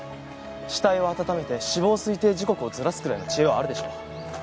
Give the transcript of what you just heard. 死体を温めて死亡推定時刻をズラすくらいの知恵はあるでしょう。